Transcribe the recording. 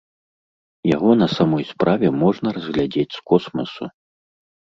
Яго на самой справе можна разглядзець з космасу.